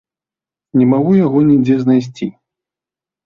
Не магу яго нідзе знайсці!